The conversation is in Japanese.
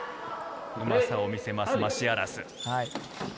うまさを見せます、マシアラス。